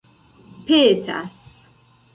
petas